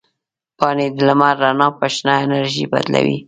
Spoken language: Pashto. پاڼې د لمر رڼا په شنه انرژي بدلوي.